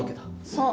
そう。